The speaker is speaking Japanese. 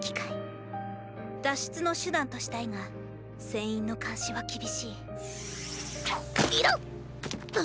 脱出の手段としたいが船員の監視は厳しいいだっ！